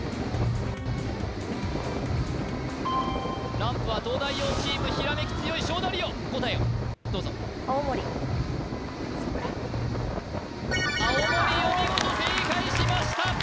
ランプは東大王チームひらめき強い勝田りお答えをどうぞそうや青森お見事正解しました